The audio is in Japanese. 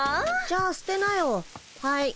じゃあ捨てなよはい。